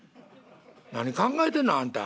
何考えてんのあんた。